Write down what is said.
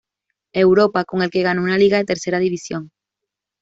Europa, con el que ganó una liga de tercera división.